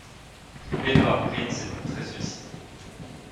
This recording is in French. Edward Prince est donc très sollicité.